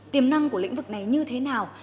tiềm năng của lĩnh vực này như thế nào